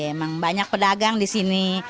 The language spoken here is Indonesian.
emang banyak pedagang di sini